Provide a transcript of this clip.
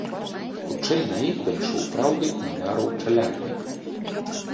Хутчэй на іх дайшоў праўды муляраў чаляднік.